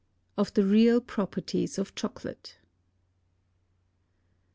Of the real Properties of Chocolate.